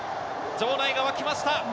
場内が沸きました。